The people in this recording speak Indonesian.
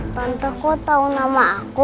tante kok tau nama aku